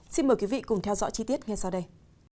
xin mời quý vị cùng theo dõi chi tiết ngay sau đây